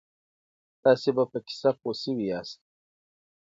تاسو به په کیسه پوه سوي یاست.